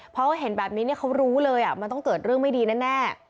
เพราะเห็นแบบนี้เขารู้เลยมันต้องเกิดเรื่องไม่ดีแน่